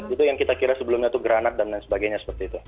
itu yang kita kira sebelumnya itu granat dan lain sebagainya seperti itu